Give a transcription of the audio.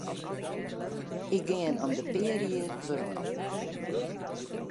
Ik gean om de pear jier werom.